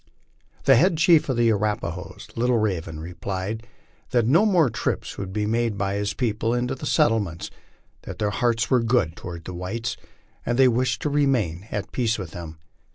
The head chief of the Arapahoes, Little Raven, replied " that no more trips would be made by his people into the settlements, : that their hearts were good toward the whites, and they wished to remain at peace with them."